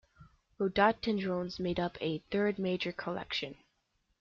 Rhododendrons made up a third major collection.